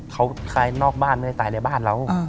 เขาตายนอกบ้านไม่ได้ตายในบ้านเรา